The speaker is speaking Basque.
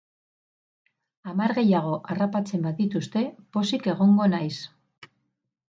Hamar gehiago harrapatzen badituzte, pozik egongo naiz.